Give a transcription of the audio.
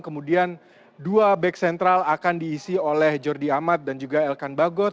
kemudian dua back sentral akan diisi oleh jordi amat dan juga elkan bagot